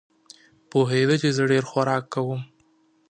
پوهېده چې زه ډېر خوراک کوم.